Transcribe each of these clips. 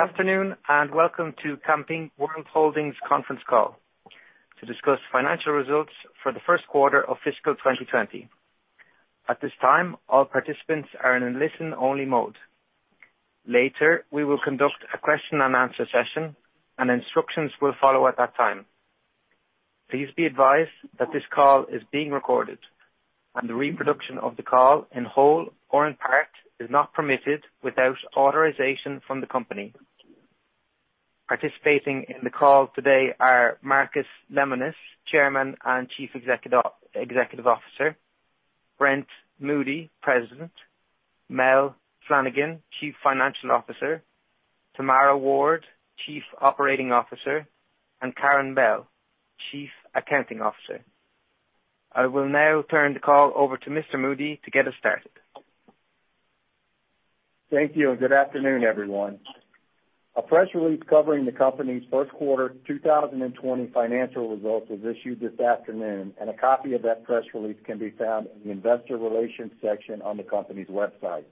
Good afternoon and welcome to Camping World Holdings' Conference Call to discuss financial results for the Q1 of Fiscal 2020. At this time, all participants are in listen-only mode. Later, we will conduct a question-and-answer session, and instructions will follow at that time. Please be advised that this call is being recorded, and the reproduction of the call in whole or in part is not permitted without authorization from the company. Participating in the call today are Marcus Lemonis, Chairman and Chief Executive Officer, Brent Moody, President, Mel Flanigan, Chief Financial Officer, Tamara Ward, Chief Operating Officer, and Karin Bell, Chief Accounting Officer. I will now turn the call over to Mr. Moody to get us started. Thank you. Good afternoon, everyone. A press release covering the company's Q1 2020 financial results was issued this afternoon, and a copy of that press release can be found in the Investor Relations section on the company's website.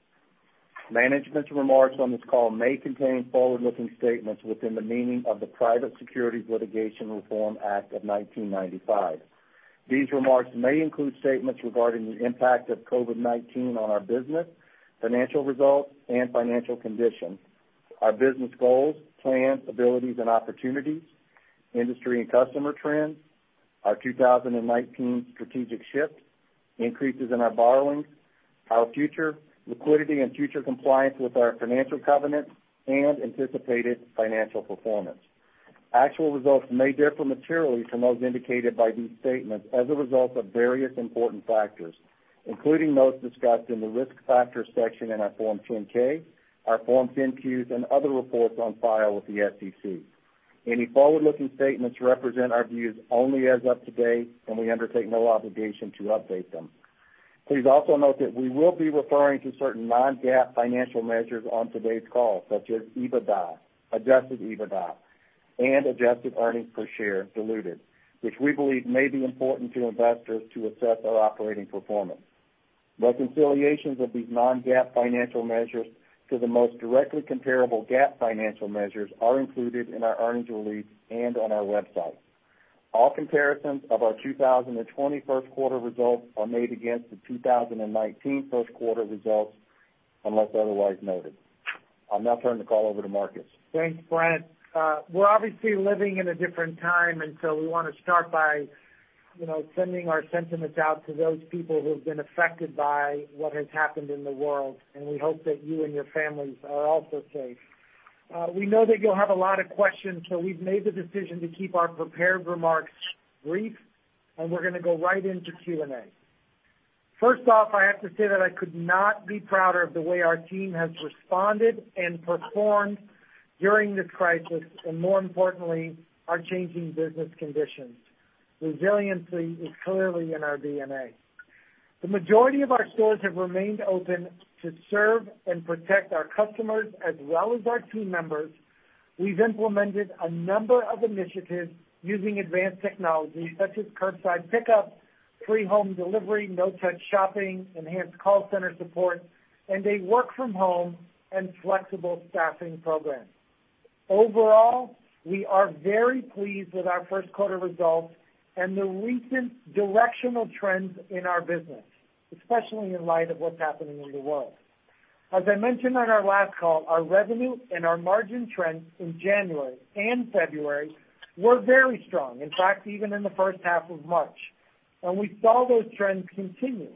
Management's remarks on this call may contain forward-looking statements within the meaning of the Private Securities Litigation Reform Act of 1995. These remarks may include statements regarding the impact of COVID-19 on our business, financial results, and financial condition, our business goals, plans, abilities, and opportunities, industry and customer trends, our 2019 strategic shift, increases in our borrowing, our future liquidity, and future compliance with our financial covenants, and anticipated financial performance. Actual results may differ materially from those indicated by these statements as a result of various important factors, including those discussed in the risk factor section in our Form 10-K, our Form 10-Qs, and other reports on file with the SEC. Any forward-looking statements represent our views only as of today, and we undertake no obligation to update them. Please also note that we will be referring to certain non-GAAP financial measures on today's call, such as EBITDA, adjusted EBITDA, and adjusted earnings per share diluted, which we believe may be important to investors to assess our operating performance. Reconciliations of these non-GAAP financial measures to the most directly comparable GAAP financial measures are included in our earnings release and on our website. All comparisons of our 2020 Q1 results are made against the 2019 Q1 results unless otherwise noted. I'll now turn the call over to Marcus. Thanks, Brent. We're obviously living in a different time, and so we want to start by sending our sentiments out to those people who have been affected by what has happened in the world, and we hope that you and your families are also safe. We know that you'll have a lot of questions, so we've made the decision to keep our prepared remarks brief, and we're going to go right into Q&A. First off, I have to say that I could not be prouder of the way our team has responded and performed during this crisis, and more importantly, our changing business conditions. Resiliency is clearly in our DNA. The majority of our stores have remained open to serve and protect our customers as well as our team members. We've implemented a number of initiatives using advanced technology, such as curbside pickup, free home delivery, no-touch shopping, enhanced call center support, and a work-from-home and flexible staffing program. Overall, we are very pleased with our Q1 results and the recent directional trends in our business, especially in light of what's happening in the world. As I mentioned on our last call, our revenue and our margin trends in January and February were very strong, in fact, even in the first half of March, and we saw those trends continue.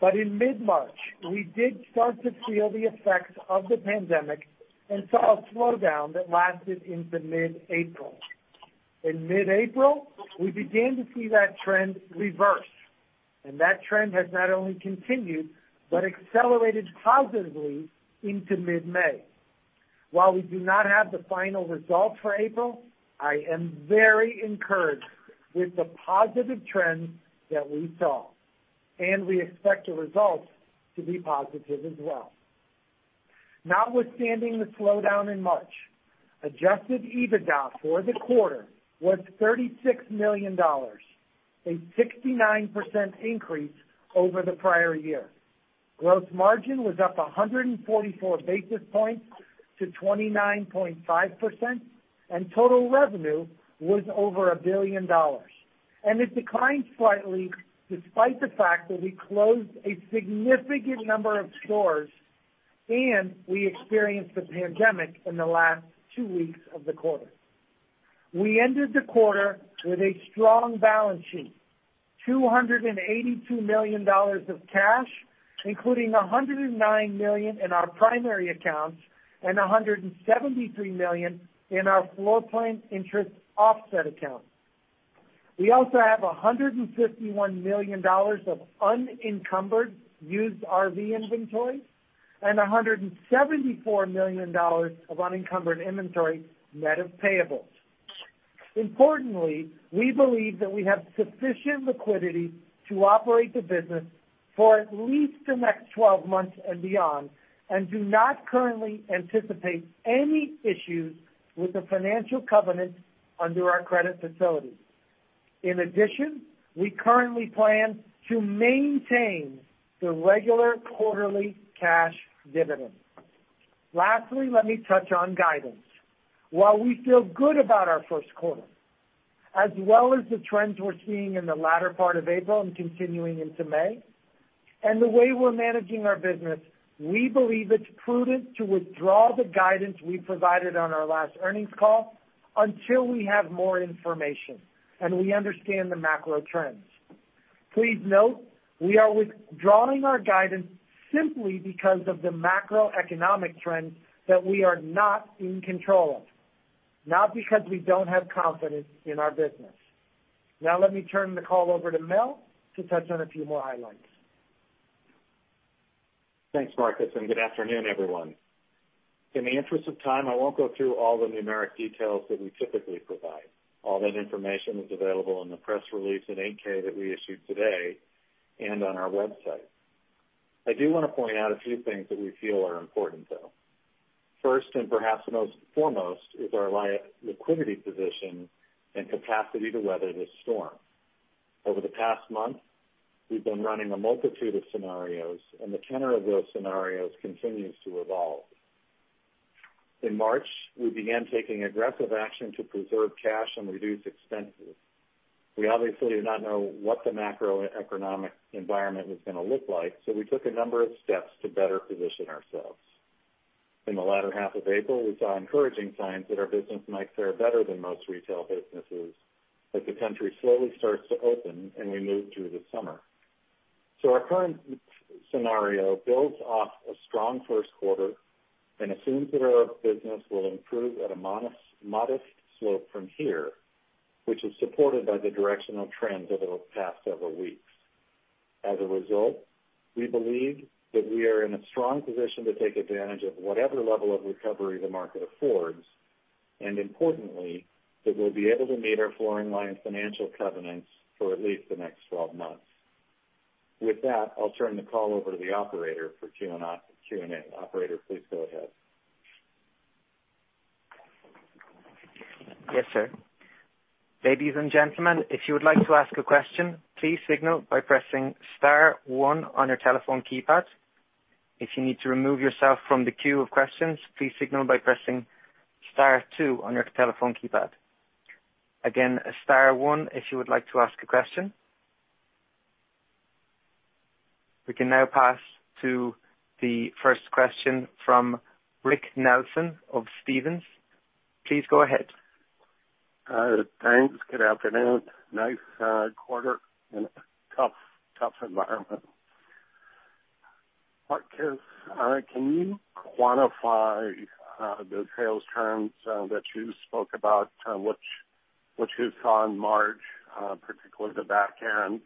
But in mid-March, we did start to feel the effects of the pandemic and saw a slowdown that lasted into mid-April. In mid-April, we began to see that trend reverse, and that trend has not only continued but accelerated positively into mid-May. While we do not have the final results for April, I am very encouraged with the positive trends that we saw, and we expect the results to be positive as well. Notwithstanding the slowdown in March, Adjusted EBITDA for the quarter was $36 million, a 69% increase over the prior year. Gross margin was up 144 basis points to 29.5%, and total revenue was over $1 billion, and it declined slightly despite the fact that we closed a significant number of stores and we experienced the pandemic in the last two weeks of the quarter. We ended the quarter with a strong balance sheet, $282 million of cash, including $109 million in our primary accounts and $173 million in our floor plan interest offset accounts. We also have $151 million of unencumbered used RV inventory and $174 million of unencumbered inventory net of payables. Importantly, we believe that we have sufficient liquidity to operate the business for at least the next 12 months and beyond and do not currently anticipate any issues with the financial covenants under our credit facilities. In addition, we currently plan to maintain the regular quarterly cash dividend. Lastly, let me touch on guidance. While we feel good about our Q1, as well as the trends we're seeing in the latter part of April and continuing into May, and the way we're managing our business, we believe it's prudent to withdraw the guidance we provided on our last earnings call until we have more information and we understand the macro trends. Please note, we are withdrawing our guidance simply because of the macroeconomic trends that we are not in control of, not because we don't have confidence in our business. Now, let me turn the call over to Mel to touch on a few more highlights. Thanks, Marcus, and good afternoon, everyone. In the interest of time, I won't go through all the numeric details that we typically provide. All that information is available in the press release in 8-K that we issued today and on our website. I do want to point out a few things that we feel are important, though. First, and perhaps most foremost, is our liquidity position and capacity to weather this storm. Over the past month, we've been running a multitude of scenarios, and the tenor of those scenarios continues to evolve. In March, we began taking aggressive action to preserve cash and reduce expenses. We obviously did not know what the macroeconomic environment was going to look like, so we took a number of steps to better position ourselves. In the latter half of April, we saw encouraging signs that our business might fare better than most retail businesses as the country slowly starts to open and we move through the summer. So our current scenario builds off a strong Q1 and assumes that our business will improve at a modest slope from here, which is supported by the directional trends over the past several weeks. As a result, we believe that we are in a strong position to take advantage of whatever level of recovery the market affords, and importantly, that we'll be able to meet our floor plan financial covenants for at least the next 12 months. With that, I'll turn the call over to the operator for Q&A. Operator, please go ahead. Yes, sir. Ladies and gentlemen, if you would like to ask a question, please signal by pressing star one on your telephone keypad. If you need to remove yourself from the queue of questions, please signal by pressing star two on your telephone keypad. Again, star one if you would like to ask a question. We can now pass to the first question from Rick Nelson of Stephens. Please go ahead. Thanks. Good afternoon. Nice quarter in a tough environment. Marcus, can you quantify the sales turns that you spoke about, which you saw in March, particularly the back end,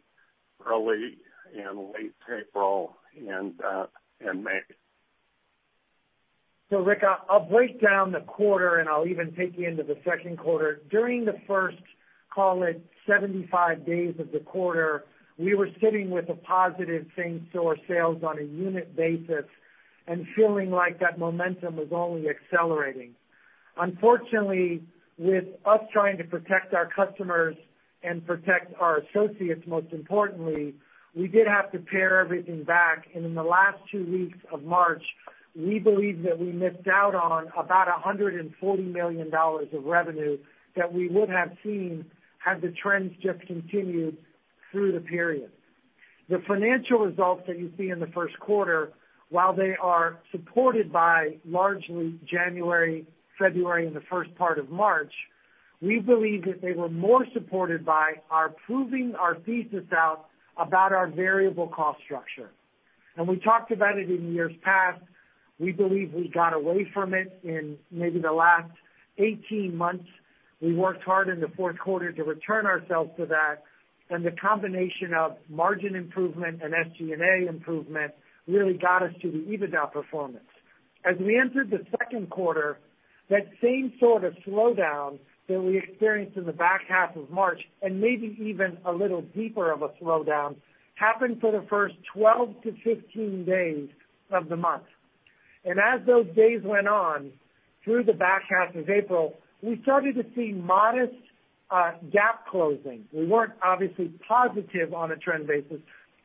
early and late April and May? So Rick, I'll break down the quarter, and I'll even take you into the Q2. During the first, call it, 75 days of the quarter, we were sitting with a positive thing to our sales on a unit basis and feeling like that momentum was only accelerating. Unfortunately, with us trying to protect our customers and protect our associates, most importantly, we did have to pare everything back, and in the last two weeks of March, we believe that we missed out on about $140 million of revenue that we would have seen had the trends just continued through the period. The financial results that you see in the Q1, while they are supported by largely January, February, and the first part of March, we believe that they were more supported by our proving our thesis out about our variable cost structure. And we talked about it in years past. We believe we got away from it in maybe the last 18 months. We worked hard in the Q4 to return ourselves to that, and the combination of margin improvement and SG&A improvement really got us to the EBITDA performance. As we entered the Q2, that same sort of slowdown that we experienced in the back half of March and maybe even a little deeper of a slowdown happened for the first 12 to 15 days of the month. And as those days went on through the back half of April, we started to see modest gap closing. We weren't obviously positive on a trend basis,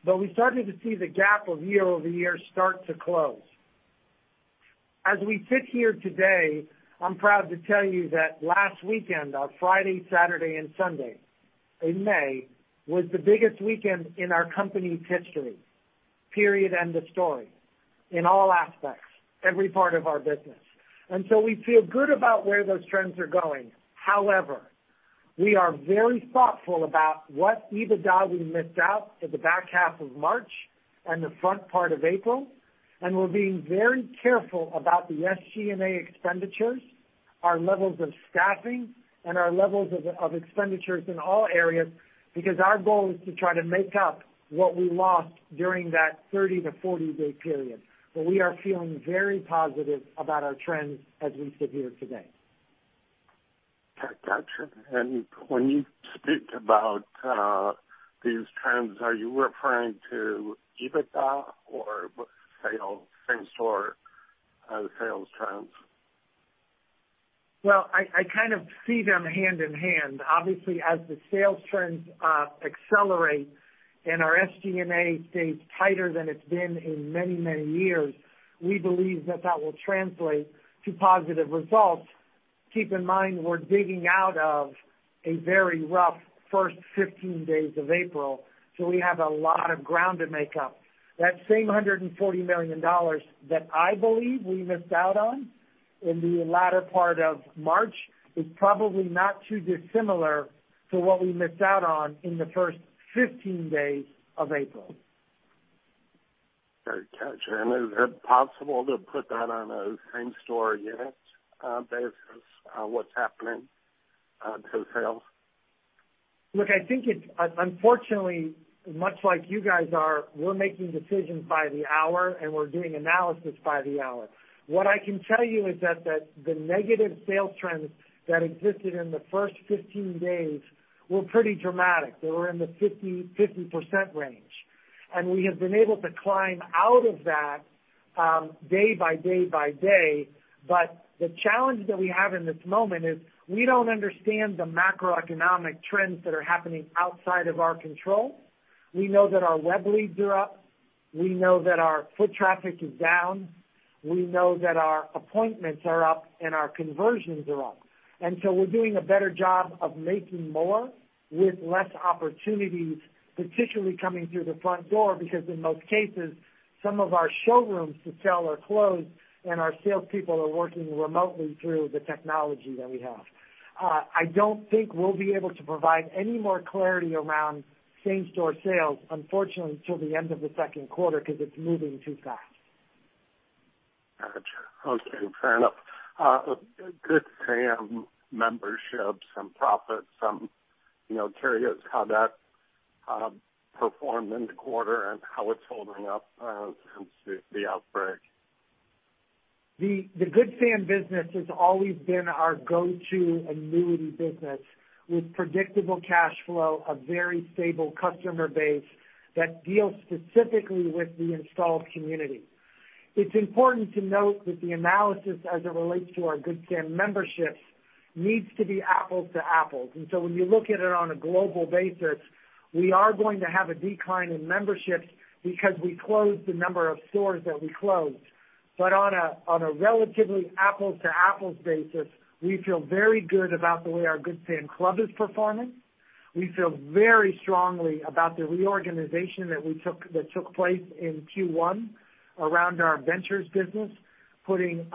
but we started to see the gap of year-over-year start to close. As we sit here today, I'm proud to tell you that last weekend, our Friday, Saturday, and Sunday in May, was the biggest weekend in our company's history. Period, end of story, in all aspects, every part of our business, and so we feel good about where those trends are going. However, we are very thoughtful about what EBITDA we missed out in the back half of March and the front part of April, and we're being very careful about the SG&A expenditures, our levels of staffing, and our levels of expenditures in all areas because our goal is to try to make up what we lost during that 30-40-day period, but we are feeling very positive about our trends as we sit here today. Gotcha. And when you speak about these trends, are you referring to EBITDA or sales trends? I kind of see them hand in hand. Obviously, as the sales trends accelerate and our SG&A stays tighter than it's been in many, many years, we believe that that will translate to positive results. Keep in mind, we're digging out of a very rough first 15 days of April, so we have a lot of ground to make up. That same $140 million that I believe we missed out on in the latter part of March is probably not too dissimilar to what we missed out on in the first 15 days of April. Very good. And is it possible to put that on a same-store unit basis? What's happening to sales? Look, I think it's unfortunately, much like you guys are, we're making decisions by the hour, and we're doing analysis by the hour. What I can tell you is that the negative sales trends that existed in the first 15 days were pretty dramatic. They were in the 50% range. And we have been able to climb out of that day by day by day, but the challenge that we have in this moment is we don't understand the macroeconomic trends that are happening outside of our control. We know that our web leads are up. We know that our foot traffic is down. We know that our appointments are up and our conversions are up. And so we're doing a better job of making more with less opportunities, particularly coming through the front door because in most cases, some of our showrooms to sell are closed and our salespeople are working remotely through the technology that we have. I don't think we'll be able to provide any more clarity around same-store sales, unfortunately, until the end of the Q2 because it's moving too fast. Gotcha. Okay. Fair enough. Good Sam membership, some profits. I'm curious how that performed in the quarter and how it's holding up since the outbreak. The Good Sam business has always been our go-to annuity business with predictable cash flow, a very stable customer base that deals specifically with the installed community. It's important to note that the analysis as it relates to our Good Sam memberships needs to be apples to apples, and so when you look at it on a global basis, we are going to have a decline in memberships because we closed the number of stores that we closed, but on a relatively apples to apples basis, we feel very good about the way our Good Sam Club is performing. We feel very strongly about the reorganization that took place in Q1 around our ventures business, putting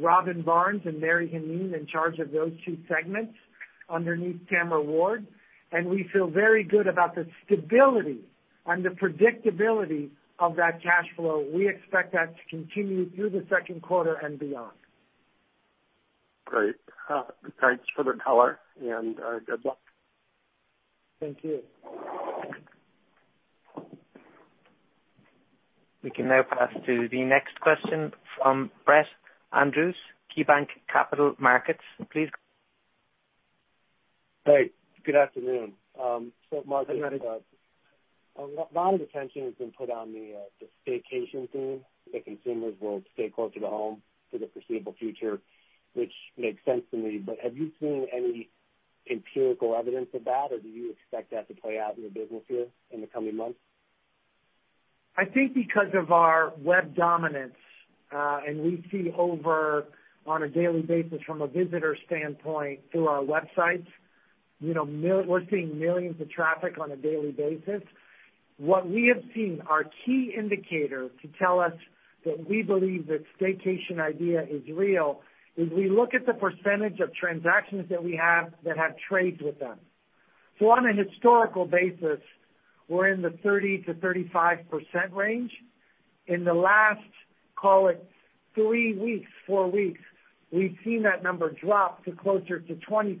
Robyn Barnes and Mary Heneen in charge of those two segments underneath Tamara Ward, and we feel very good about the stability and the predictability of that cash flow. We expect that to continue through the Q2 and beyond. Great. Thanks for the color and good luck. Thank you. We can now pass to the next question from Brett Andress, KeyBanc Capital Markets. Please. Hey. Good afternoon. So Marcus, a lot of attention has been put on the vacation theme that consumers will stay closer to home for the foreseeable future, which makes sense to me. But have you seen any empirical evidence of that, or do you expect that to play out in the business here in the coming months? I think because of our web dominance, and we see over on a daily basis from a visitor standpoint through our websites, we're seeing millions of traffic on a daily basis. What we have seen, our key indicator to tell us that we believe that staycation idea is real, is we look at the percentage of transactions that we have that have trades with them. So on a historical basis, we're in the 30%-35% range. In the last, call it, three weeks, four weeks, we've seen that number drop to closer to 20%.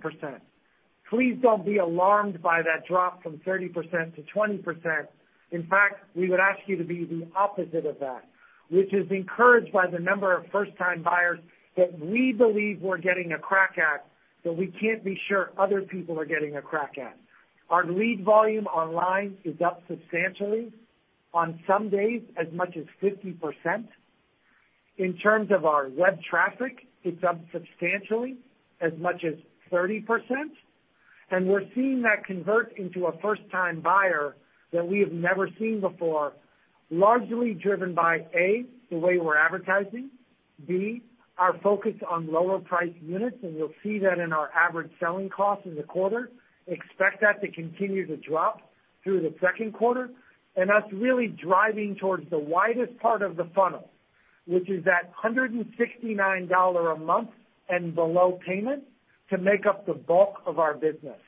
Please don't be alarmed by that drop from 30% to 20%. In fact, we would ask you to be the opposite of that, which is encouraged by the number of first-time buyers that we believe we're getting a crack at, but we can't be sure other people are getting a crack at. Our lead volume online is up substantially on some days as much as 50%. In terms of our web traffic, it's up substantially as much as 30%. And we're seeing that convert into a first-time buyer that we have never seen before, largely driven by, A, the way we're advertising, B, our focus on lower-priced units, and you'll see that in our average selling cost in the quarter. Expect that to continue to drop through the Q2. And that's really driving towards the widest part of the funnel, which is that $169 a month and below payment to make up the bulk of our business.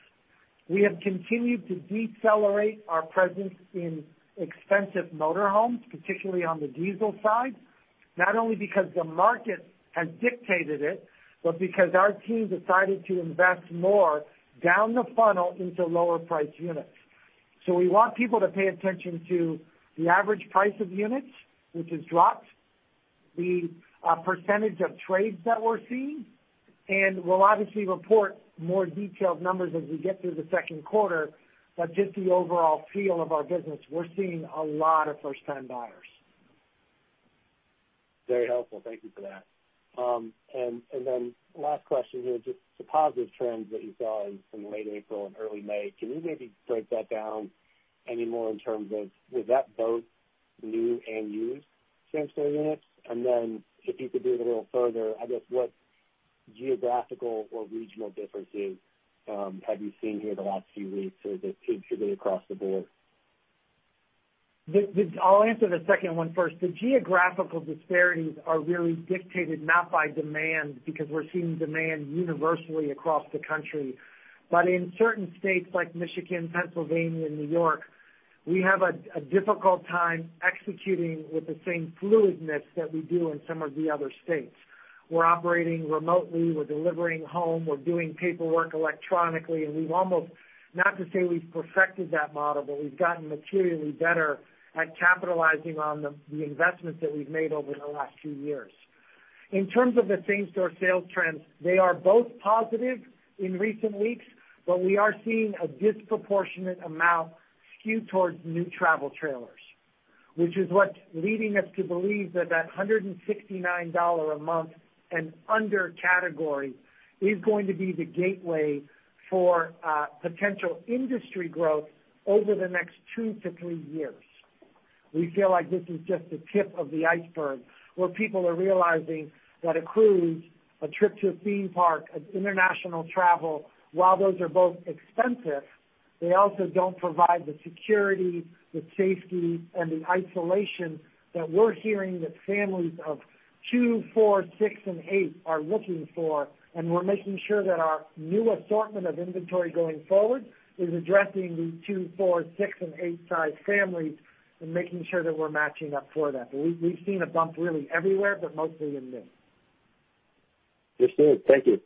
We have continued to decelerate our presence in expensive motorhomes, particularly on the diesel side, not only because the market has dictated it, but because our team decided to invest more down the funnel into lower-priced units. So we want people to pay attention to the average price of units, which has dropped, the percentage of trades that we're seeing, and we'll obviously report more detailed numbers as we get through the Q2, but just the overall feel of our business. We're seeing a lot of first-time buyers. Very helpful. Thank you for that. And then last question here, just the positive trends that you saw in late April and early May. Can you maybe break that down any more in terms of was that both new and used same-store units? And then if you could do it a little further, I guess what geographical or regional differences have you seen here the last few weeks? Is it across the board? I'll answer the second one first. The geographical disparities are really dictated not by demand because we're seeing demand universally across the country, but in certain states like Michigan, Pennsylvania, and New York, we have a difficult time executing with the same fluidness that we do in some of the other states. We're operating remotely. We're delivering home. We're doing paperwork electronically, and we've almost, not to say we've perfected that model, but we've gotten materially better at capitalizing on the investments that we've made over the last few years. In terms of the same-store sales trends, they are both positive in recent weeks, but we are seeing a disproportionate amount skewed towards new travel trailers, which is what's leading us to believe that that $169 a month and under category is going to be the gateway for potential industry growth over the next two to three years. We feel like this is just the tip of the iceberg where people are realizing that a cruise, a trip to a theme park, an international travel, while those are both expensive, they also don't provide the security, the safety, and the isolation that we're hearing that families of two, four, six, and eight are looking for, and we're making sure that our new assortment of inventory going forward is addressing these two, four, six, and eight-sized families and making sure that we're matching up for that. We've seen a bump really everywhere, but mostly in new. Yes, sir. Thank you.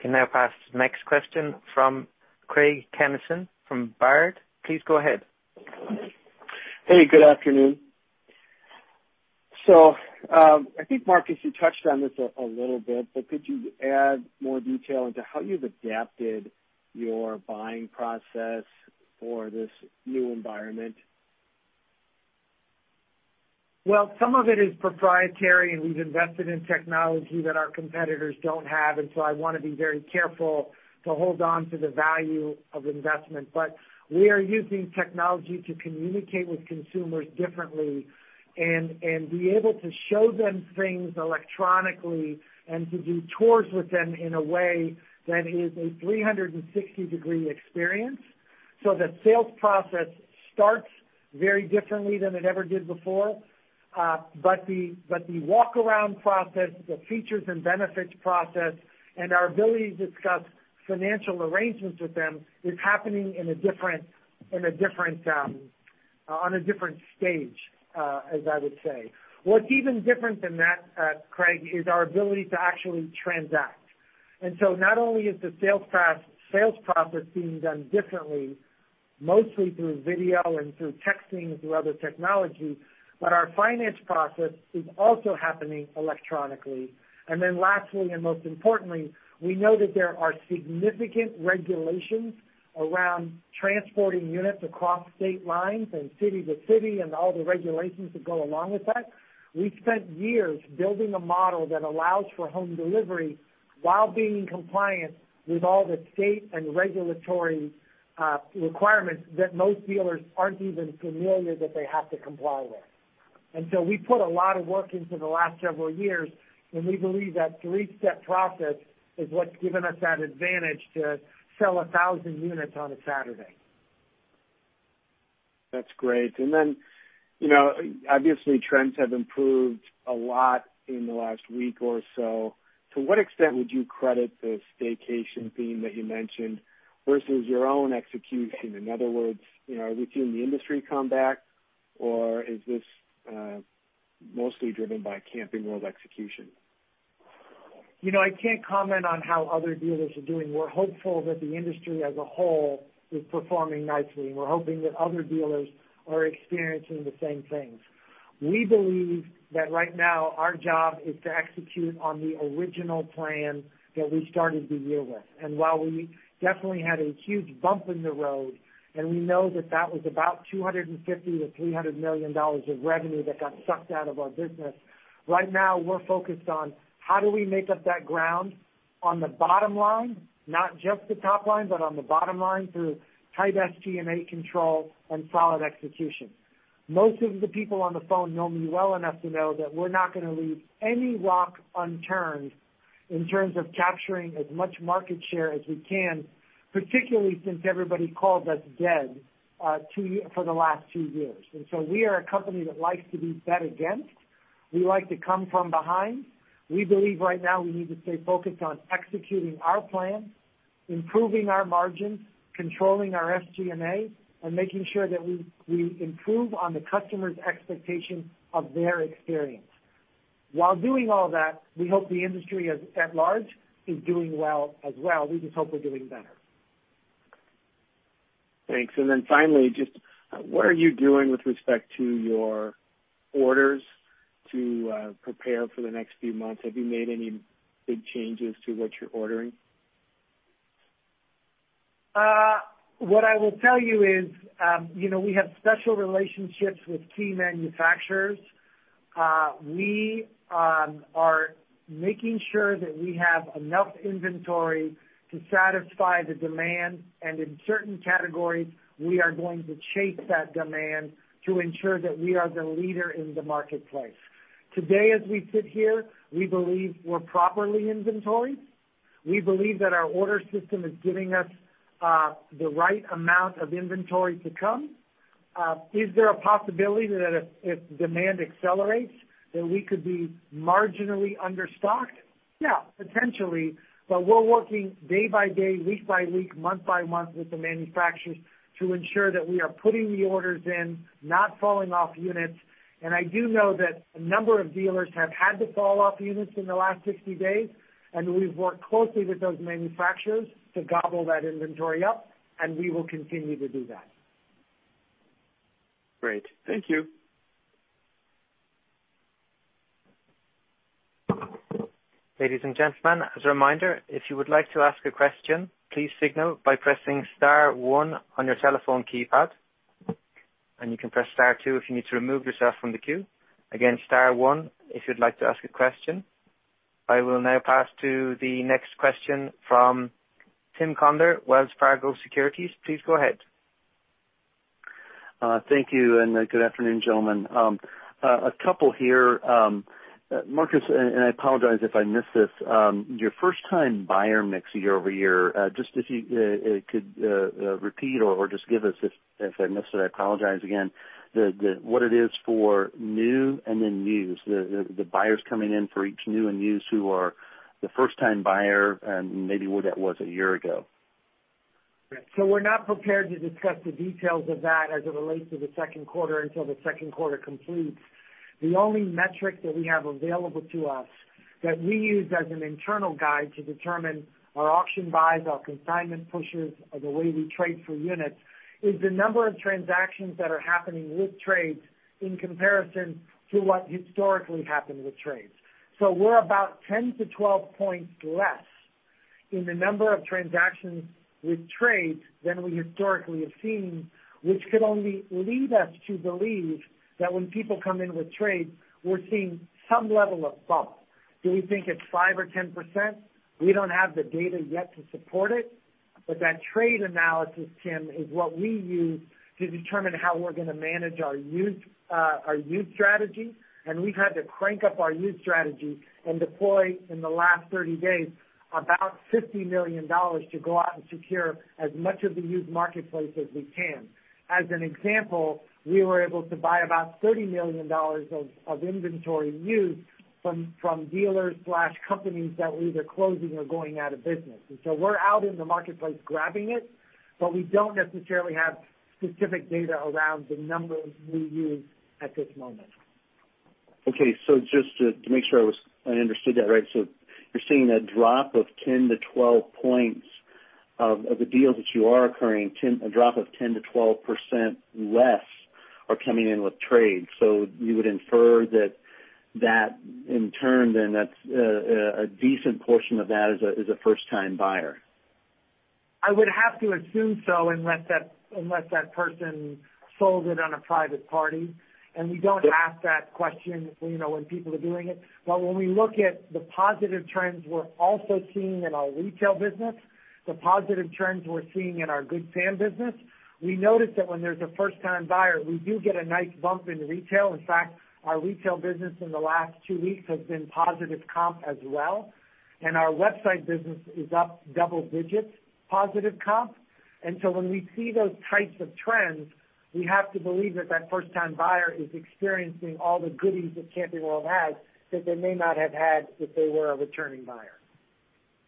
Can now pass to the next question from Craig Kennison from Baird. Please go ahead. Hey. Good afternoon. So I think, Marcus, you touched on this a little bit, but could you add more detail into how you've adapted your buying process for this new environment? Well, some of it is proprietary, and we've invested in technology that our competitors don't have. And so I want to be very careful to hold on to the value of investment. But we are using technology to communicate with consumers differently and be able to show them things electronically and to do tours with them in a way that is a 360-degree experience. So the sales process starts very differently than it ever did before. But the walk-around process, the features and benefits process, and our ability to discuss financial arrangements with them is happening in a different, on a different stage, as I would say. What's even different than that, Craig, is our ability to actually transact. And so not only is the sales process being done differently, mostly through video and through texting and through other technologies, but our finance process is also happening electronically. Then lastly, and most importantly, we know that there are significant regulations around transporting units across state lines and city to city and all the regulations that go along with that. We spent years building a model that allows for home delivery while being compliant with all the state and regulatory requirements that most dealers aren't even familiar that they have to comply with. So we put a lot of work into the last several years, and we believe that three-step process is what's given us that advantage to sell 1,000 units on a Saturday. That's great. And then obviously, trends have improved a lot in the last week or so. To what extent would you credit the staycation theme that you mentioned versus your own execution? In other words, have we seen the industry come back, or is this mostly driven by Camping World execution? I can't comment on how other dealers are doing. We're hopeful that the industry as a whole is performing nicely, and we're hoping that other dealers are experiencing the same things. We believe that right now our job is to execute on the original plan that we started the year with, and while we definitely had a huge bump in the road, and we know that that was about $250 million-$300 million of revenue that got sucked out of our business, right now we're focused on how do we make up that ground on the bottom line, not just the top line, but on the bottom line through tight SG&A control and solid execution. Most of the people on the phone know me well enough to know that we're not going to leave any rock unturned in terms of capturing as much market share as we can, particularly since everybody called us dead for the last two years, and so we are a company that likes to be bet against. We like to come from behind. We believe right now we need to stay focused on executing our plan, improving our margins, controlling our SG&A, and making sure that we improve on the customer's expectation of their experience. While doing all that, we hope the industry at large is doing well as well. We just hope we're doing better. Thanks. And then finally, just what are you doing with respect to your orders to prepare for the next few months? Have you made any big changes to what you're ordering? What I will tell you is we have special relationships with key manufacturers. We are making sure that we have enough inventory to satisfy the demand, and in certain categories, we are going to chase that demand to ensure that we are the leader in the marketplace. Today, as we sit here, we believe we're properly inventoried. We believe that our order system is giving us the right amount of inventory to come. Is there a possibility that if demand accelerates, that we could be marginally understocked? Yeah, potentially, but we're working day by day, week by week, month by month with the manufacturers to ensure that we are putting the orders in, not falling off units. I do know that a number of dealers have had to fall off units in the last 60 days, and we've worked closely with those manufacturers to gobble that inventory up, and we will continue to do that. Great. Thank you. Ladies and gentlemen, as a reminder, if you would like to ask a question, please signal by pressing star one on your telephone keypad, and you can press star two if you need to remove yourself from the queue. Again, star one if you'd like to ask a question. I will now pass to the next question from Tim Conder, Wells Fargo Securities. Please go ahead. Thank you and good afternoon, gentlemen. A couple here. Marcus, and I apologize if I missed this. Your first-time buyer mix year-over-year, just if you could repeat or just give us, if I missed it, I apologize again, what it is for new and then used, the buyers coming in for each new and used who are the first-time buyer and maybe where that was a year ago? We're not prepared to discuss the details of that as it relates to the Q2 until the Q2 completes. The only metric that we have available to us that we used as an internal guide to determine our auction buys, our consignment pushes, the way we trade for units, is the number of transactions that are happening with trades in comparison to what historically happened with trades. We're about 10-12 points less in the number of transactions with trades than we historically have seen, which could only lead us to believe that when people come in with trades, we're seeing some level of bump. Do we think it's 5% or 10%? We don't have the data yet to support it. But that trade analysis, Tim, is what we used to determine how we're going to manage our used strategy. We've had to crank up our used strategy and deployed in the last 30 days about $50 million to go out and secure as much of the used marketplace as we can. As an example, we were able to buy about $30 million of used inventory from dealers/companies that were either closing or going out of business. And so we're out in the marketplace grabbing it, but we don't necessarily have specific data around the numbers we used at this moment. Okay. So just to make sure I understood that right, so you're seeing a drop of 10-12 points of the deals that you are originating, a drop of 10%-12% less are coming in with trades. So you would infer that in turn then that's a decent portion of that is a first-time buyer. I would have to assume so unless that person sold it on a private party. And we don't ask that question when people are doing it. But when we look at the positive trends we're also seeing in our retail business, the positive trends we're seeing in our Good Sam business, we notice that when there's a first-time buyer, we do get a nice bump in retail. In fact, our retail business in the last two weeks has been positive comp as well. And our website business is up double digits positive comp. And so when we see those types of trends, we have to believe that that first-time buyer is experiencing all the goodies that Camping World has that they may not have had if they were a returning buyer.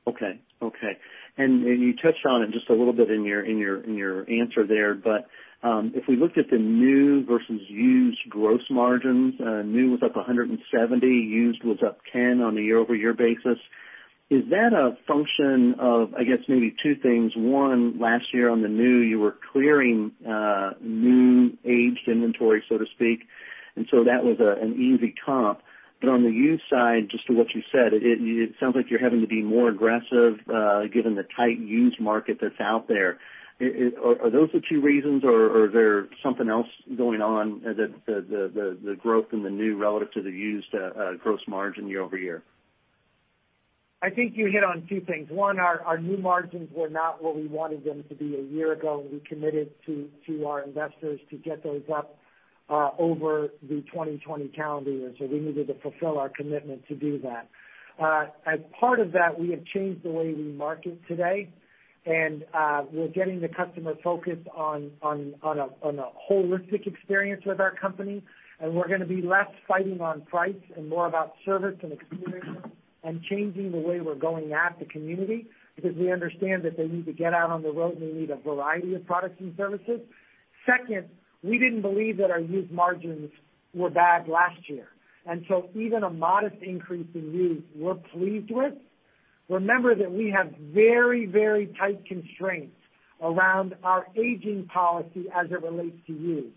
Okay. Okay. And you touched on it just a little bit in your answer there. But if we looked at the new versus used gross margins, new was up 170, used was up 10 on a year-over-year basis. Is that a function of, I guess, maybe two things? One, last year on the new, you were clearing new aged inventory, so to speak. And so that was an easy comp. But on the used side, just to what you said, it sounds like you're having to be more aggressive given the tight used market that's out there. Are those the two reasons, or is there something else going on, the growth in the new relative to the used gross margin year-over-year? I think you hit on two things. One, our new margins were not what we wanted them to be a year ago. We committed to our investors to get those up over the 2020 calendar year. So we needed to fulfill our commitment to do that. As part of that, we have changed the way we market today. And we're getting the customer focused on a holistic experience with our company. And we're going to be less fighting on price and more about service and experience and changing the way we're going at the community because we understand that they need to get out on the road and they need a variety of products and services. Second, we didn't believe that our used margins were bad last year. And so even a modest increase in used, we're pleased with. Remember that we have very, very tight constraints around our aging policy as it relates to use.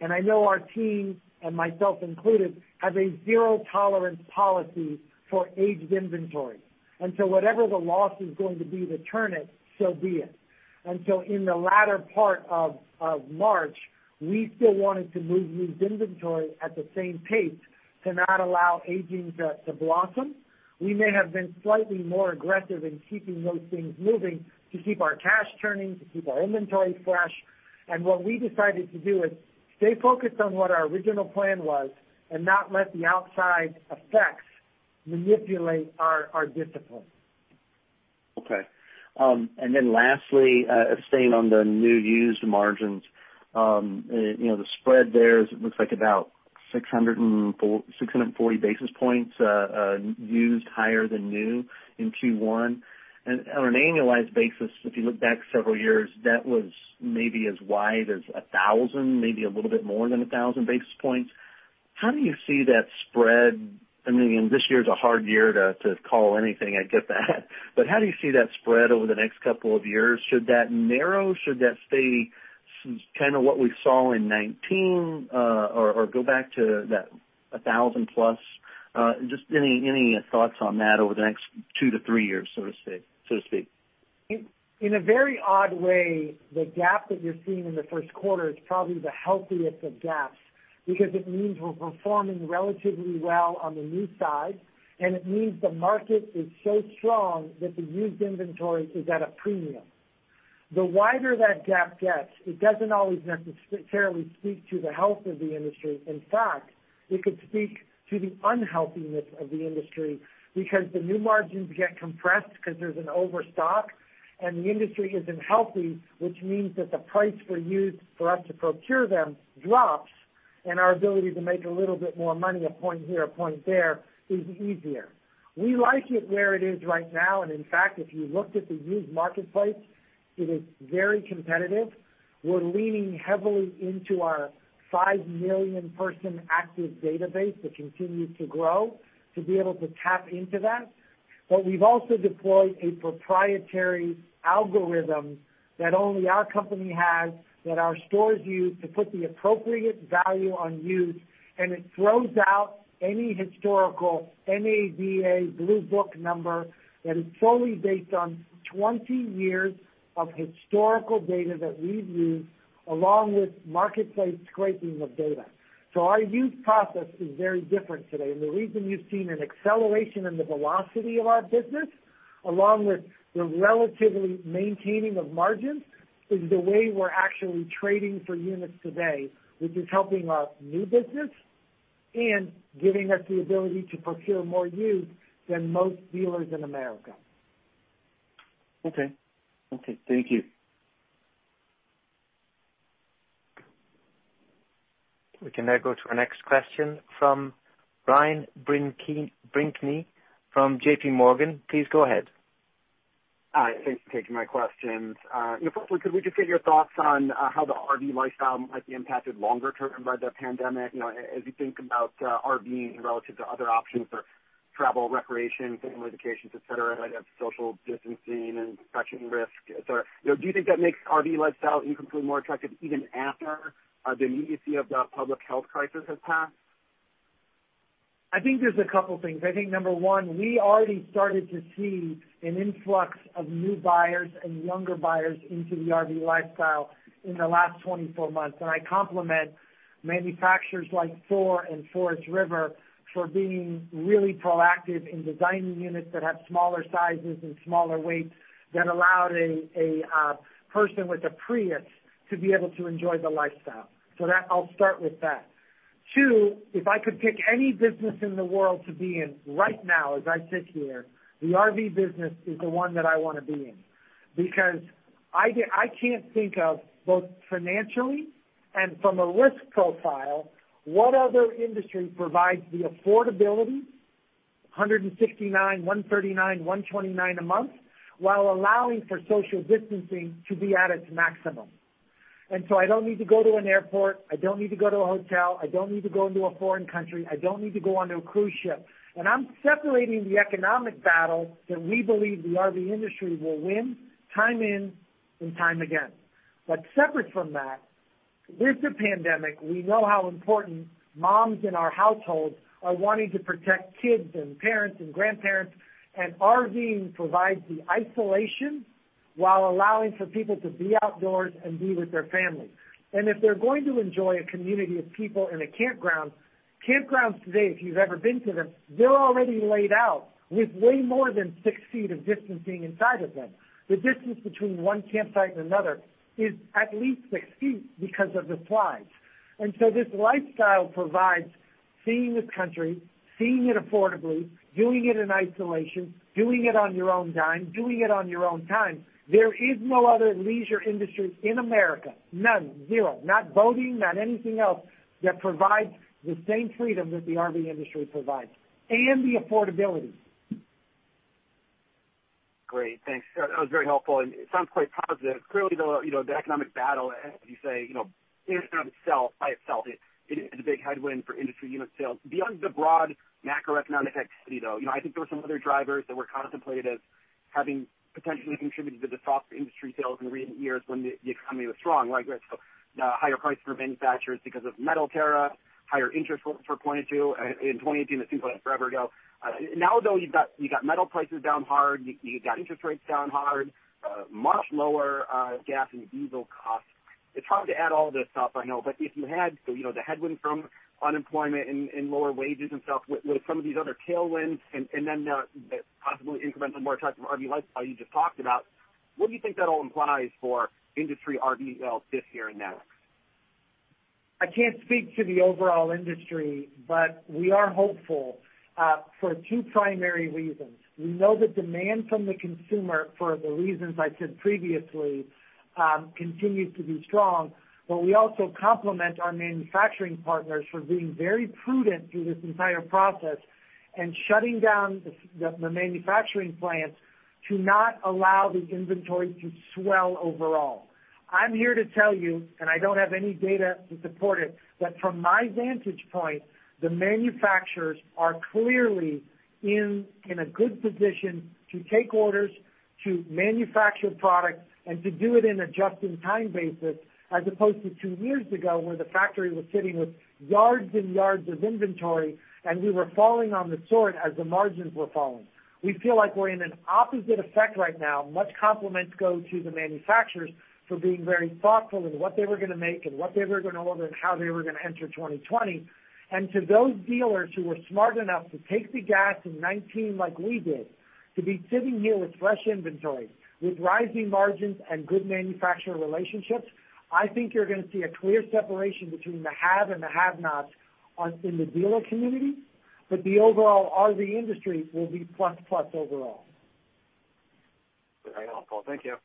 And I know our team, and myself included, have a zero tolerance policy for aged inventory. And so whatever the loss is going to be to turn it, so be it. And so in the latter part of March, we still wanted to move used inventory at the same pace to not allow aging to blossom. We may have been slightly more aggressive in keeping those things moving to keep our cash turning, to keep our inventory fresh. And what we decided to do is stay focused on what our original plan was and not let the outside effects manipulate our discipline. Okay. And then lastly, staying on the new used margins, the spread there looks like about 640 basis points used higher than new in Q1. And on an annualized basis, if you look back several years, that was maybe as wide as 1,000, maybe a little bit more than 1,000 basis points. How do you see that spread? I mean, this year is a hard year to call anything. I get that. But how do you see that spread over the next couple of years? Should that narrow? Should that stay kind of what we saw in 2019 or go back to that 1,000 plus? Just any thoughts on that over the next two to three years, so to speak? In a very odd way, the gap that you're seeing in the Q1 is probably the healthiest of gaps because it means we're performing relatively well on the new side. And it means the market is so strong that the used inventory is at a premium. The wider that gap gets, it doesn't always necessarily speak to the health of the industry. In fact, it could speak to the unhealthiness of the industry because the new margins get compressed because there's an overstock. And the industry isn't healthy, which means that the price for used for us to procure them drops. And our ability to make a little bit more money, a point here, a point there, is easier. We like it where it is right now. And in fact, if you looked at the used marketplace, it is very competitive. We're leaning heavily into our 5 million person active database that continues to grow to be able to tap into that, but we've also deployed a proprietary algorithm that only our company has that our stores use to put the appropriate value on use, and it throws out any historical NADA Blue Book number that is solely based on 20 years of historical data that we've used along with marketplace scraping of data, so our use process is very different today, and the reason you've seen an acceleration in the velocity of our business along with the relatively maintaining of margins is the way we're actually trading for units today, which is helping our new business and giving us the ability to procure more use than most dealers in America. Okay. Okay. Thank you. We can now go to our next question from Ryan Brinkman from JPMorgan. Please go ahead. Hi. Thanks for taking my questions. Firstly, could we just get your thoughts on how the RV lifestyle might be impacted longer term by the pandemic? As you think about RVing relative to other options for travel, recreation, family vacations, etc., social distancing, infection risk, etc., do you think that makes RV lifestyle even more attractive even after the immediacy of the public health crisis has passed? I think there's a couple of things. I think number one, we already started to see an influx of new buyers and younger buyers into the RV lifestyle in the last 24 months. And I compliment manufacturers like Thor and Forest River for being really proactive in designing units that have smaller sizes and smaller weights that allowed a person with a Prius to be able to enjoy the lifestyle. So I'll start with that. Two, if I could pick any business in the world to be in right now as I sit here, the RV business is the one that I want to be in because I can't think of both financially and from a risk profile what other industry provides the affordability, $169, $139, $129 a month, while allowing for social distancing to be at its maximum. And so I don't need to go to an airport. I don't need to go to a hotel. I don't need to go into a foreign country. I don't need to go onto a cruise ship. And I'm separating the economic battle that we believe the RV industry will win time in and time again. But separate from that, with the pandemic, we know how important moms in our households are wanting to protect kids and parents and grandparents. And RVing provides the isolation while allowing for people to be outdoors and be with their family. And if they're going to enjoy a community of people in a campground, campgrounds today, if you've ever been to them, they're already laid out with way more than six feet of distancing inside of them. The distance between one campsite and another is at least six feet because of the slides. This lifestyle provides seeing this country, seeing it affordably, doing it in isolation, doing it on your own dime, doing it on your own time. There is no other leisure industry in America, none, zero, not boating, not anything else that provides the same freedom that the RV industry provides and the affordability. Great. Thanks. That was very helpful. And it sounds quite positive. Clearly, the economic battle, as you say, in and of itself, by itself, it is a big headwind for industry unit sales. Beyond the broad macroeconomic activity, though, I think there were some other drivers that were contemplated as having potentially contributed to the soft industry sales in recent years when the economy was strong, like the higher price for manufacturers because of metal tariffs, higher interest rates were pointed to in 2018. It seems like that's forever ago. Now, though, you've got metal prices down hard. You've got interest rates down hard, much lower gas and diesel costs. It's hard to add all this up, I know. But if you had the headwind from unemployment and lower wages and stuff with some of these other tailwinds and then possibly incremental more attractive RV lifestyle you just talked about, what do you think that all implies for industry RVs this year and next? I can't speak to the overall industry, but we are hopeful for two primary reasons. We know the demand from the consumer for the reasons I said previously continues to be strong, but we also compliment our manufacturing partners for being very prudent through this entire process and shutting down the manufacturing plants to not allow the inventory to swell overall. I'm here to tell you, and I don't have any data to support it, that from my vantage point, the manufacturers are clearly in a good position to take orders, to manufacture products, and to do it in a just-in-time basis as opposed to two years ago where the factory was sitting with yards and yards of inventory and we were falling on the sword as the margins were falling. We feel like we're in an opposite effect right now. Much compliments go to the manufacturers for being very thoughtful in what they were going to make and what they were going to order and how they were going to enter 2020. To those dealers who were smart enough to take the gas in 2019 like we did, to be sitting here with fresh inventory, with rising margins and good manufacturer relationships, I think you're going to see a clear separation between the have and the have-nots in the dealer community. The overall RV industry will be plus-plus overall. Very helpful. Thank you.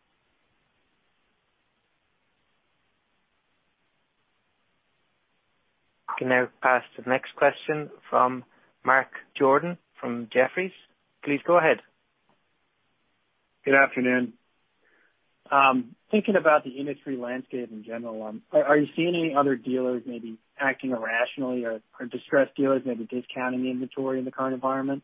We can now pass to the next question from Mark Jordan from Jefferies. Please go ahead. Good afternoon. Thinking about the industry landscape in general, are you seeing any other dealers maybe acting irrationally or distressed dealers maybe discounting inventory in the current environment?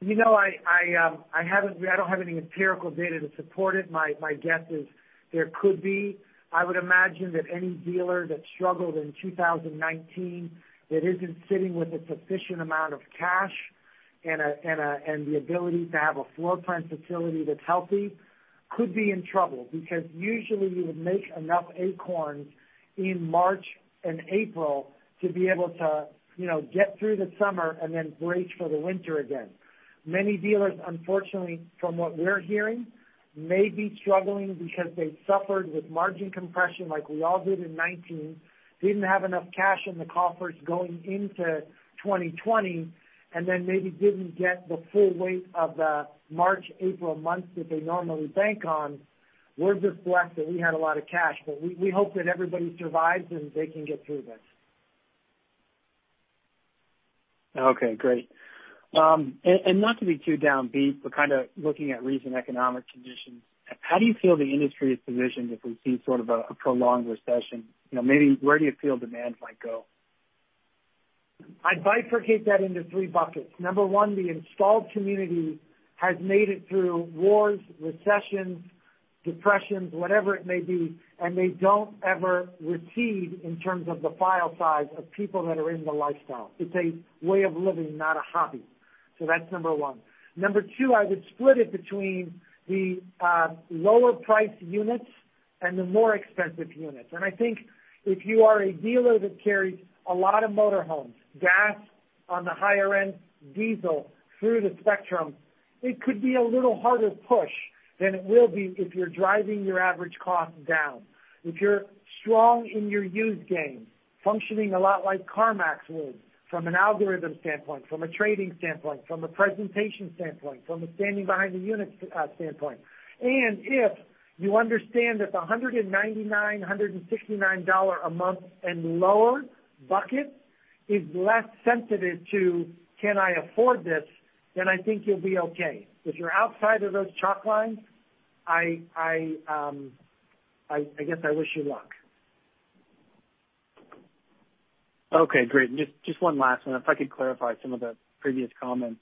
You know, I don't have any empirical data to support it. My guess is there could be. I would imagine that any dealer that struggled in 2019 that isn't sitting with a sufficient amount of cash and the ability to have a floor plan facility that's healthy could be in trouble because usually you would make enough acorns in March and April to be able to get through the summer and then brace for the winter again. Many dealers, unfortunately, from what we're hearing, may be struggling because they suffered with margin compression like we all did in 2019, didn't have enough cash in the coffers going into 2020, and then maybe didn't get the full weight of the March-April months that they normally bank on. We're just blessed that we had a lot of cash. But we hope that everybody survives and they can get through this. Okay. Great. And not to be too downbeat, but kind of looking at recent economic conditions, how do you feel the industry is positioned if we see sort of a prolonged recession? Maybe where do you feel demand might go? I'd bifurcate that into three buckets. Number one, the installed community has made it through wars, recessions, depressions, whatever it may be, and they don't ever recede in terms of the file size of people that are in the lifestyle. It's a way of living, not a hobby, so that's number one. Number two, I would split it between the lower-priced units and the more expensive units, and I think if you are a dealer that carries a lot of motorhomes, gas on the higher end, diesel through the spectrum, it could be a little harder push than it will be if you're driving your average cost down. If you're strong in your used game, functioning a lot like CarMax would from an algorithm standpoint, from a trading standpoint, from a presentation standpoint, from a standing behind-the-units standpoint. If you understand that the $199, $169 a month and lower bucket is less sensitive to, "Can I afford this?" then I think you'll be okay. If you're outside of those chalk lines, I guess I wish you luck. Okay. Great. Just one last one. If I could clarify some of the previous comments.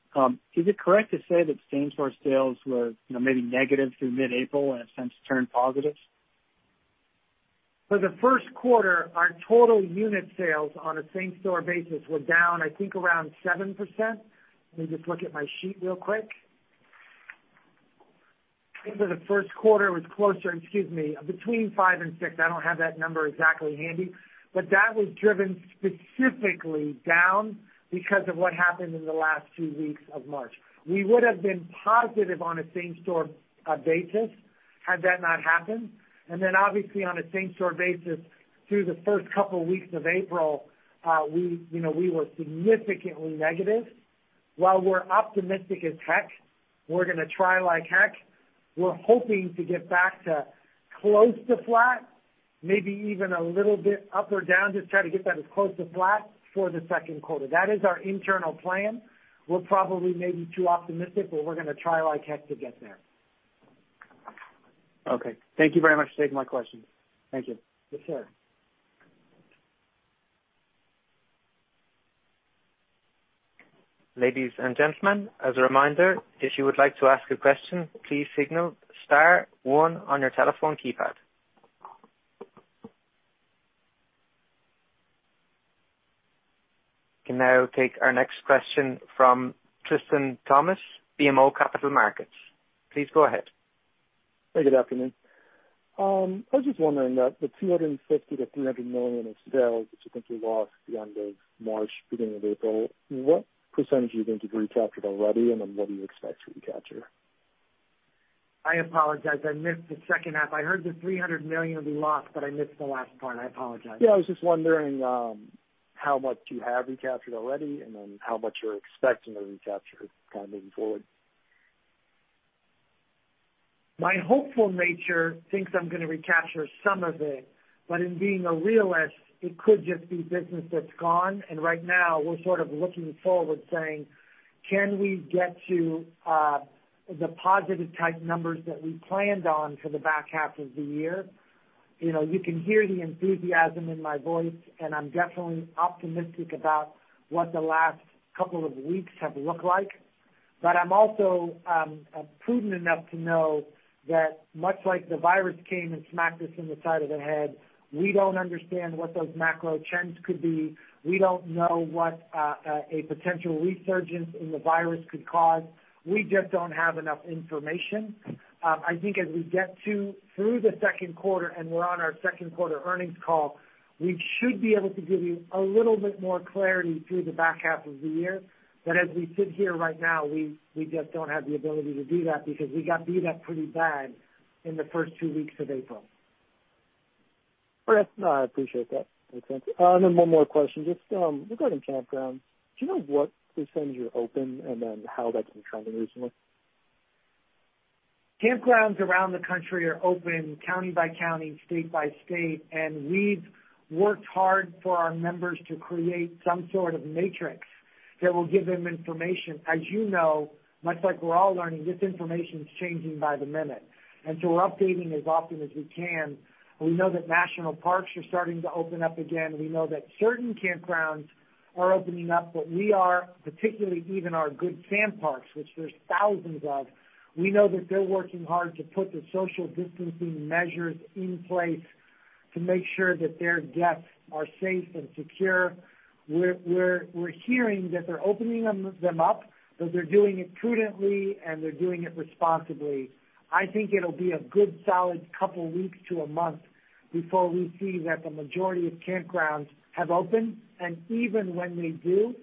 Is it correct to say that same-store sales were maybe negative through mid-April and have since turned positive? For the Q1, our total unit sales on a same-store basis were down, I think, around 7%. Let me just look at my sheet real quick. I think for the Q1, it was closer, excuse me, between 5% and 6%. I don't have that number exactly handy. But that was driven specifically down because of what happened in the last few weeks of March. We would have been positive on a same-store basis had that not happened. And then obviously, on a same-store basis through the first couple of weeks of April, we were significantly negative. While we're optimistic as heck, we're going to try like heck. We're hoping to get back to close to flat, maybe even a little bit up or down, just try to get that as close to flat for the Q2. That is our internal plan. We're probably maybe too optimistic, but we're going to try like heck to get there. Okay. Thank you very much for taking my questions. Thank you. Yes, sir. Ladies and gentlemen, as a reminder, if you would like to ask a question, please signal star one on your telephone keypad. We can now take our next question from Tristan Thomas, BMO Capital Markets. Please go ahead. Hey, good afternoon. I was just wondering that the $250 million-$300 million of sales that you think you lost at the end of March, beginning of April, what percentage do you think you've recaptured already, and then what do you expect to recapture? I apologize. I missed the second half. I heard the $300 million will be lost, but I missed the last part. I apologize. Yeah. I was just wondering how much you have recaptured already and then how much you're expecting to recapture kind of moving forward? My hopeful nature thinks I'm going to recapture some of it. But in being a realist, it could just be business that's gone. And right now, we're sort of looking forward saying, "Can we get to the positive-type numbers that we planned on for the back half of the year?" You can hear the enthusiasm in my voice, and I'm definitely optimistic about what the last couple of weeks have looked like. But I'm also prudent enough to know that much like the virus came and smacked us in the side of the head, we don't understand what those macro trends could be. We don't know what a potential resurgence in the virus could cause. We just don't have enough information. I think as we get through the Q2 and we're on our Q2 Earnings Call, we should be able to give you a little bit more clarity through the back half of the year. But as we sit here right now, we just don't have the ability to do that because we got beat up pretty bad in the first two weeks of April. All right. No, I appreciate that. Makes sense. And then one more question. Just regarding campgrounds, do you know what percentage are open and then how that's been trending recently? Campgrounds around the country are open, county by county, state by state. And we've worked hard for our members to create some sort of matrix that will give them information. As you know, much like we're all learning, this information's changing by the minute. And so we're updating as often as we can. We know that national parks are starting to open up again. We know that certain campgrounds are opening up, but we are, particularly even our Good Sam parks, which there's thousands of. We know that they're working hard to put the social distancing measures in place to make sure that their guests are safe and secure. We're hearing that they're opening them up, but they're doing it prudently, and they're doing it responsibly. I think it'll be a good solid couple of weeks to a month before we see that the majority of campgrounds have opened. Even when they do,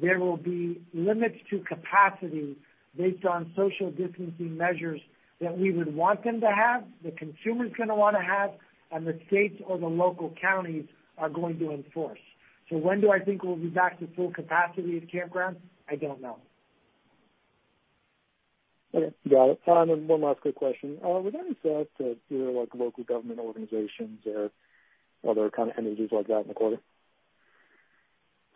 there will be limits to capacity based on social distancing measures that we would want them to have, the consumers going to want to have, and the states or the local counties are going to enforce. When do I think we'll be back to full capacity at campgrounds? I don't know. Okay. Got it. And then one last quick question. Were there any sales to your local government organizations or other kind of entities like that in the quarter?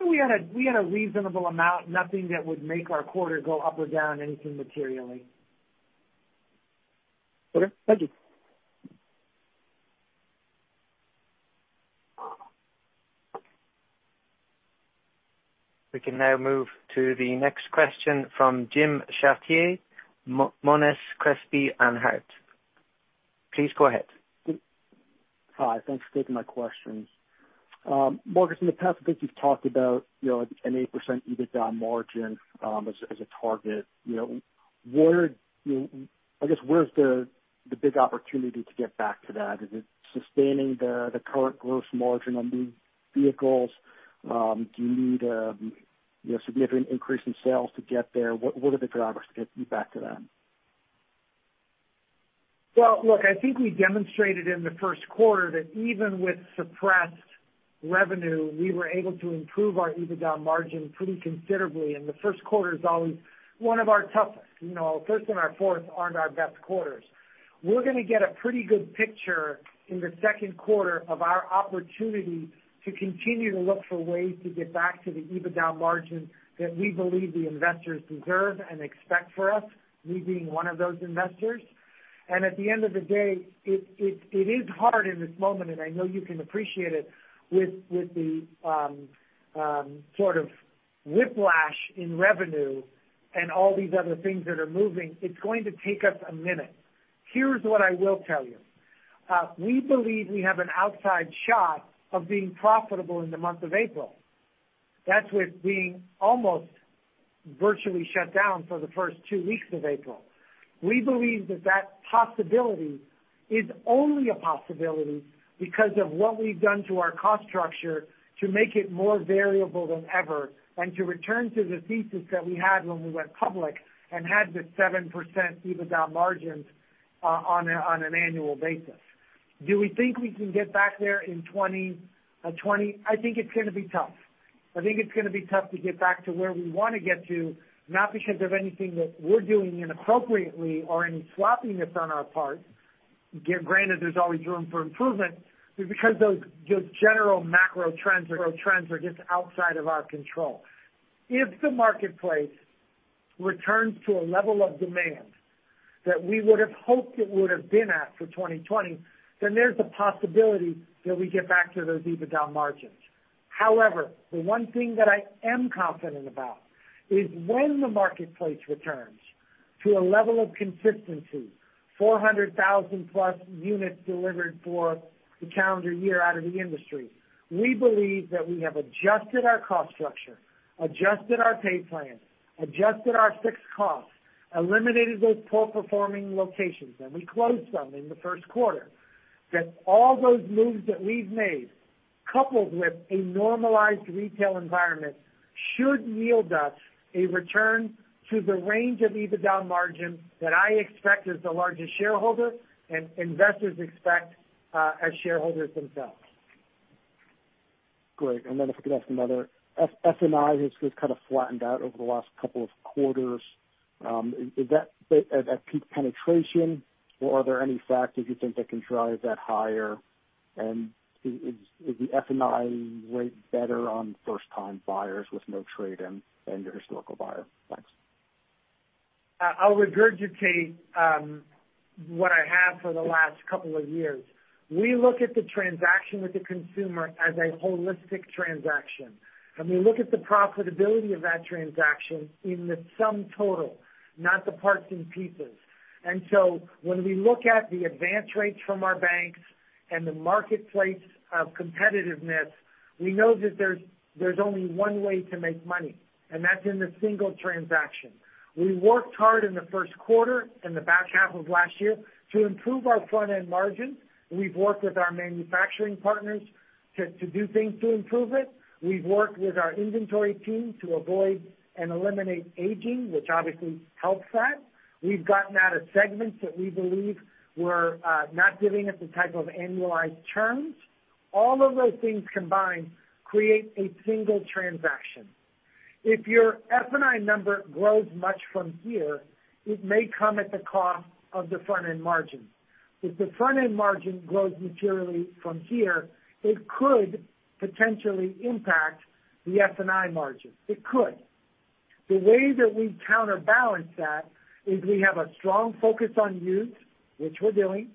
We had a reasonable amount, nothing that would make our quarter go up or down anything materially. Okay. Thank you. We can now move to the next question from Jim Chartier, Monness, Crespi & Hardt. Please go ahead. Hi. Thanks for taking my questions. Marcus, in the past, I think you've talked about an 8% EBITDA margin as a target. I guess where's the big opportunity to get back to that? Is it sustaining the current gross margin on new vehicles? Do you need a significant increase in sales to get there? What are the drivers to get you back to that? Look, I think we demonstrated in the Q1 that even with suppressed revenue, we were able to improve our EBITDA margin pretty considerably. The Q1 is always one of our toughest. Our first and our fourth aren't our best quarters. We're going to get a pretty good picture in the Q2 of our opportunity to continue to look for ways to get back to the EBITDA margin that we believe the investors deserve and expect for us, me being one of those investors. At the end of the day, it is hard in this moment, and I know you can appreciate it, with the sort of whiplash in revenue and all these other things that are moving, it's going to take us a minute. Here's what I will tell you. We believe we have an outside shot of being profitable in the month of April. That's with being almost virtually shut down for the first two weeks of April. We believe that that possibility is only a possibility because of what we've done to our cost structure to make it more variable than ever and to return to the thesis that we had when we went public and had the 7% EBITDA margins on an annual basis. Do we think we can get back there in 2020? I think it's going to be tough. I think it's going to be tough to get back to where we want to get to, not because of anything that we're doing inappropriately or any sloppiness on our part. Granted, there's always room for improvement, but because those general macro trends are just outside of our control. If the marketplace returns to a level of demand that we would have hoped it would have been at for 2020, then there's a possibility that we get back to those EBITDA margins. However, the one thing that I am confident about is when the marketplace returns to a level of consistency, 400,000-plus units delivered for the calendar year out of the industry, we believe that we have adjusted our cost structure, adjusted our pay plans, adjusted our fixed costs, eliminated those poor-performing locations, and we closed some in the Q1, that all those moves that we've made, coupled with a normalized retail environment, should yield us a return to the range of EBITDA margin that I expect as the largest shareholder and investors expect as shareholders themselves. Great. And then if I could ask another, F&I has kind of flattened out over the last couple of quarters. Is that at peak penetration, or are there any factors you think that can drive that higher? And is the F&I rate better on first-time buyers with no trade-in than your historical buyer? Thanks. I'll regurgitate what I have for the last couple of years. We look at the transaction with the consumer as a holistic transaction, and we look at the profitability of that transaction in the sum total, not the parts and pieces, and so when we look at the advance rates from our banks and the marketplace of competitiveness, we know that there's only one way to make money, and that's in the single transaction. We worked hard in the Q1 and the back half of last year to improve our front-end margins. We've worked with our manufacturing partners to do things to improve it. We've worked with our inventory team to avoid and eliminate aging, which obviously helps that. We've gotten out of segments that we believe were not giving us the type of annualized terms. All of those things combined create a single transaction. If your F&I number grows much from here, it may come at the cost of the front-end margin. If the front-end margin grows materially from here, it could potentially impact the F&I margin. It could. The way that we counterbalance that is we have a strong focus on use, which we're doing.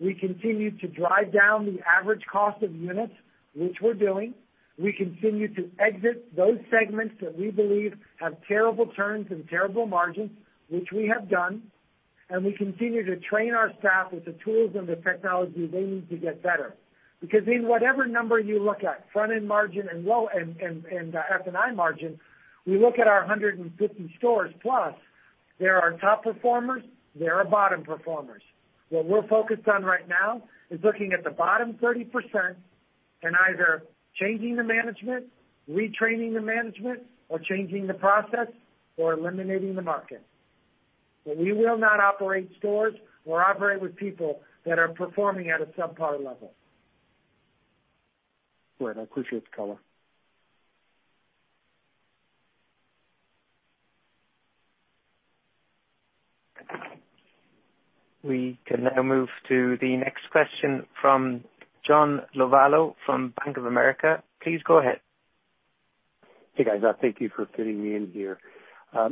We continue to drive down the average cost of units, which we're doing. We continue to exit those segments that we believe have terrible turns and terrible margins, which we have done. And we continue to train our staff with the tools and the technology they need to get better. Because in whatever number you look at, front-end margin and F&I margin, we look at our 150 stores plus, there are top performers, there are bottom performers. What we're focused on right now is looking at the bottom 30% and either changing the management, retraining the management, or changing the process, or eliminating the market. But we will not operate stores. We'll operate with people that are performing at a subpar level. Great. I appreciate the color. We can now move to the next question from John Lovallo from Bank of America. Please go ahead. Hey, guys. Thank you for fitting me in here.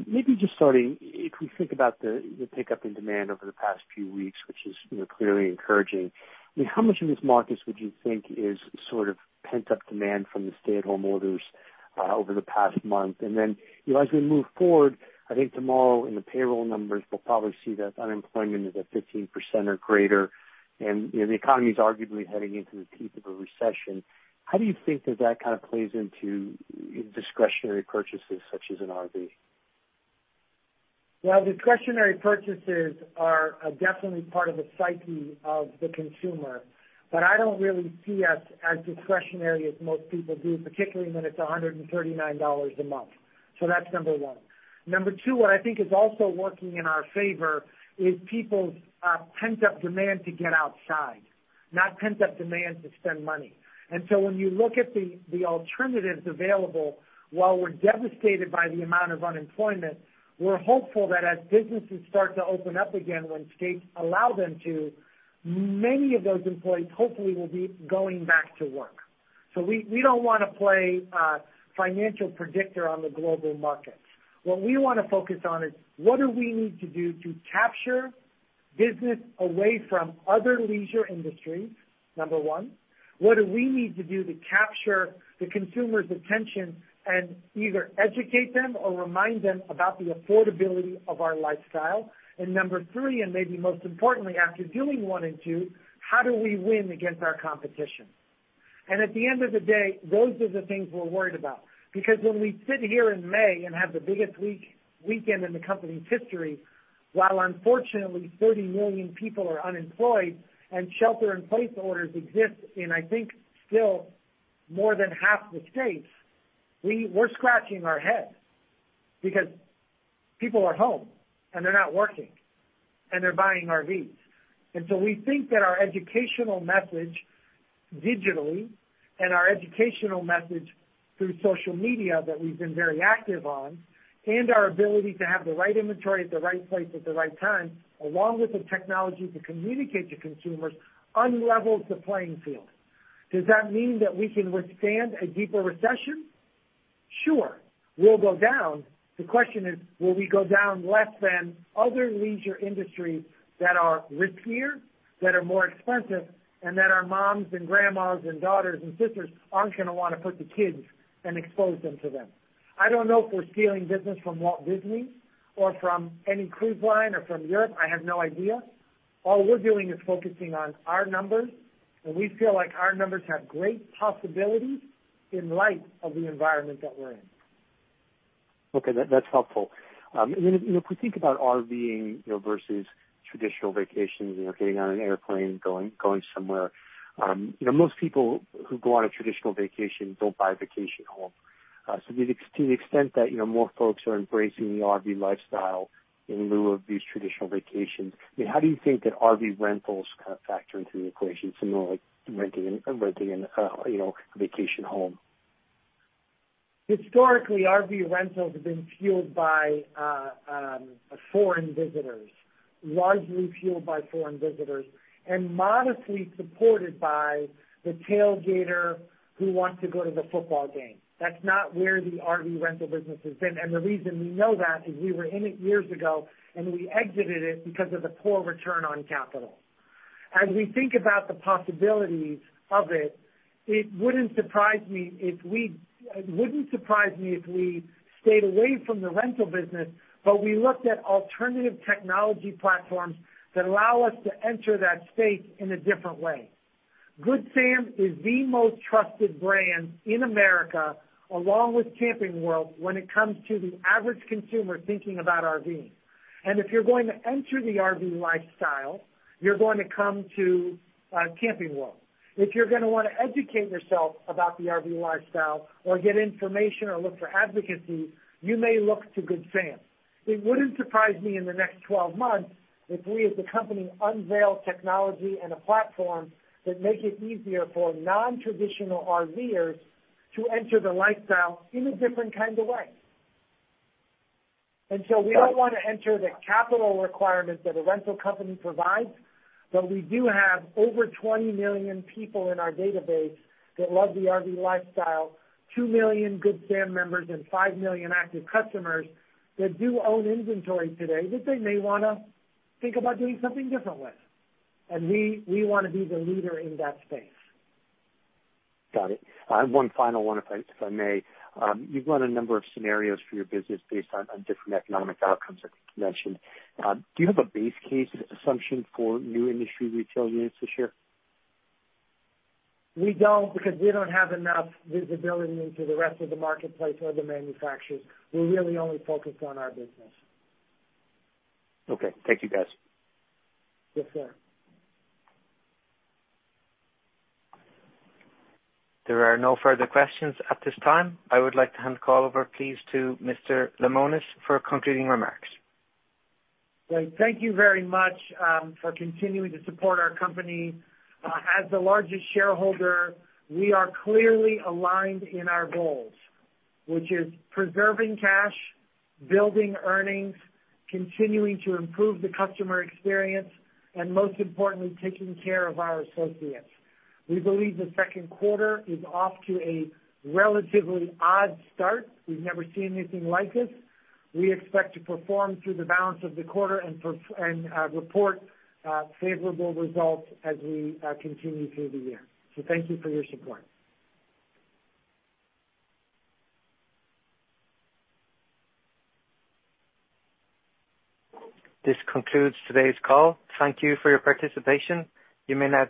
Maybe just starting, if we think about the pickup in demand over the past few weeks, which is clearly encouraging, I mean, how much of this market would you think is sort of pent-up demand from the stay-at-home orders over the past month? And then as we move forward, I think tomorrow in the payroll numbers, we'll probably see that unemployment is at 15% or greater. And the economy is arguably heading into the peak of a recession. How do you think that that kind of plays into discretionary purchases such as an RV? Well, discretionary purchases are definitely part of the psyche of the consumer. But I don't really see us as discretionary as most people do, particularly when it's $139 a month. So that's number one. Number two, what I think is also working in our favor is people's pent-up demand to get outside, not pent-up demand to spend money. And so when you look at the alternatives available, while we're devastated by the amount of unemployment, we're hopeful that as businesses start to open up again when states allow them to, many of those employees hopefully will be going back to work. So we don't want to play financial predictor on the global markets. What we want to focus on is what do we need to do to capture business away from other leisure industries, number one. What do we need to do to capture the consumer's attention and either educate them or remind them about the affordability of our lifestyle? And number three, and maybe most importantly, after doing one and two, how do we win against our competition? And at the end of the day, those are the things we're worried about. Because when we sit here in May and have the biggest weekend in the company's history, while unfortunately 30 million people are unemployed and shelter-in-place orders exist in, I think, still more than half the states, we're scratching our head because people are home and they're not working and they're buying RVs. So we think that our educational message digitally and our educational message through social media that we've been very active on and our ability to have the right inventory at the right place at the right time, along with the technology to communicate to consumers, leveled the playing field. Does that mean that we can withstand a deeper recession? Sure. We'll go down. The question is, will we go down less than other leisure industries that are riskier, that are more expensive, and that our moms and grandmas and daughters and sisters aren't going to want to put the kids and expose them to them? I don't know if we're stealing business from Walt Disney or from any cruise line or from Europe. I have no idea. All we're doing is focusing on our numbers, and we feel like our numbers have great possibilities in light of the environment that we're in. Okay. That's helpful. If we think about RVing versus traditional vacations, getting on an airplane, going somewhere, most people who go on a traditional vacation don't buy a vacation home, so to the extent that more folks are embracing the RV lifestyle in lieu of these traditional vacations, I mean, how do you think that RV rentals kind of factor into the equation, similar like renting a vacation home? Historically, RV rentals have been fueled by foreign visitors and modestly supported by the tailgater who wants to go to the football game. That's not where the RV rental business has been. The reason we know that is we were in it years ago, and we exited it because of the poor return on capital. As we think about the possibilities of it, it wouldn't surprise me if we stayed away from the rental business, but we looked at alternative technology platforms that allow us to enter that space in a different way. Good Sam is the most trusted brand in America, along with Camping World, when it comes to the average consumer thinking about RVing. If you're going to enter the RV lifestyle, you're going to come to Camping World. If you're going to want to educate yourself about the RV lifestyle or get information or look for advocacy, you may look to Good Sam. It wouldn't surprise me in the next 12 months if we, as a company, unveil technology and a platform that makes it easier for non-traditional RVers to enter the lifestyle in a different kind of way, and so we don't want to enter the capital requirements that a rental company provides, but we do have over 20 million people in our database that love the RV lifestyle, two million Good Sam members and five million active customers that do own inventory today that they may want to think about doing something different with, and we want to be the leader in that space. Got it. One final one, if I may. You've run a number of scenarios for your business based on different economic outcomes that you mentioned. Do you have a base case assumption for new industry retail units this year? We don't because we don't have enough visibility into the rest of the marketplace or the manufacturers. We're really only focused on our business. Okay. Thank you, guys. Yes, sir. There are no further questions at this time. I would like to hand the call over, please, to Mr. Lemonis for concluding remarks. Thank you very much for continuing to support our company. As the largest shareholder, we are clearly aligned in our goals, which is preserving cash, building earnings, continuing to improve the customer experience, and most importantly, taking care of our associates. We believe the Q2 is off to a relatively odd start. We've never seen anything like this. We expect to perform through the balance of the quarter and report favorable results as we continue through the year. So thank you for your support. This concludes today's call. Thank you for your participation. You may now.